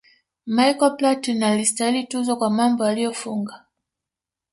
michael platin alistahili tuzo kwa mambo aliyofunga